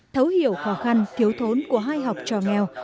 thấu hiểu khó khăn thiếu thốn của hai học trò nghèo